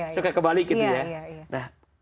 suka kebalik gitu ya